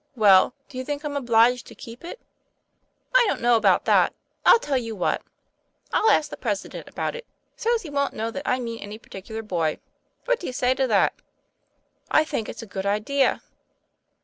" "Well, do you think I'm obliged to keep it?" "I don't know about that. I'll tell you what: I'll ask the President about it, so's he won't know that I mean any particular boy. What do you say to that ?" "I think it's a good idea."